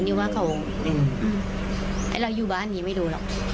ที่ว่าเขาไอ้เราอยู่บ้านนี้ไม่รู้หรอก